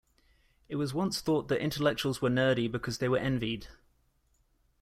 It was once thought that intellectuals were nerdy because they were envied.